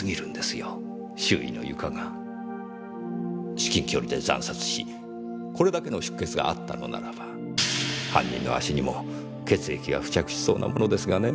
至近距離で斬殺しこれだけの出血があったのならば犯人の足にも血液が付着しそうなものですがねぇ。